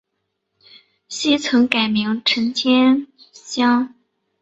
昔曾改名陈天崴。